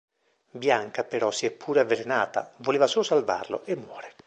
Bianca però si è pure avvelenata, voleva solo salvarlo e muore.